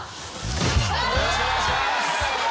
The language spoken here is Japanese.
よろしくお願いします。